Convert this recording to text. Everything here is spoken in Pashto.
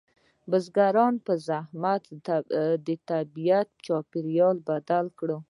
بزګرانو په زحمت طبیعي چاپیریال بدل کړ.